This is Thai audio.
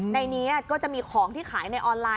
ในนี้ก็จะมีของที่ขายในออนไลน